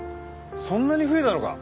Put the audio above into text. そんなに増えたのか？